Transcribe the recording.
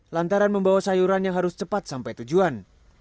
lantaran membawa sayuran yang harus cepat sampai tujuan